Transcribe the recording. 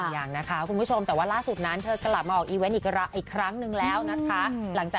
ยังนะคะคุณผู้ชมแต่ว่าล่าสุดนั้นเธอกลับมาออกอีเวนต์อีกครั้งหนึ่งแล้วนะคะ